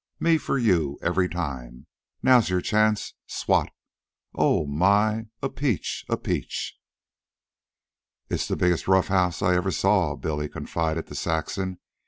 Me for you every time! Now's your chance! Swat! Oh! My! A peach! A peach!" "It's the biggest rough house I ever saw," Billy confided to Saxon.